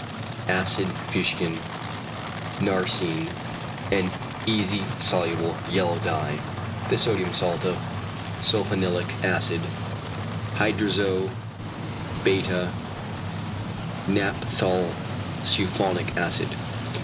acid fuchsin, narcëin (an easy soluble yellow dye, the sodium salt of sulphanilic acid hydrazo [beta] naphtholsulphonic acid).